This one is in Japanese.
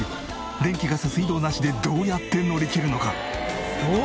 電気ガス水道なしでどうやって乗り切るのか？